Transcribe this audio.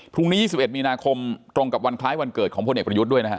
พรุ่งนี้๒๑มีนาคมตรงกับวันคล้ายวันเกิดของพลเอกประยุทธ์ด้วยนะฮะ